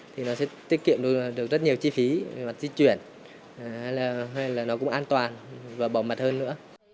thì nó sẽ tiết kiệm được rất nhiều chi phí về mặt di chuyển hay là nó cũng an toàn và bảo mật hơn nữa